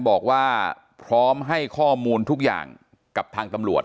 บอกว่าพร้อมให้ข้อมูลทุกอย่างกับทางตำรวจ